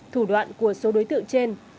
thủ đoạn của số đối tượng trên là các trang báo chốt